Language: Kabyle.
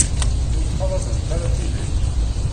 Ur ttxalaḍemt ara tidak.